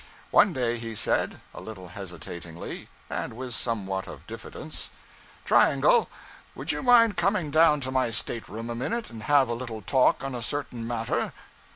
One day he said, a little hesitatingly, and with somewhat of diffidence 'Triangle, would you mind coming down to my stateroom a minute, and have a little talk on a certain matter?'